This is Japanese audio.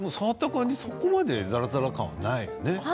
そこまで、ざらざら感はないよね。